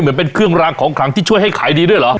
เหมือนเป็นเครื่องรางของขลังที่ช่วยให้ขายดีด้วยเหรอ